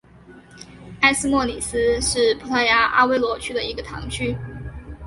埃斯莫里斯是葡萄牙阿威罗区的一个堂区。